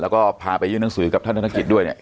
แล้วก็พาไปยื่นหนังสือกับท่านธนกิจด้วยเนี่ย